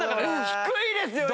低いですよ！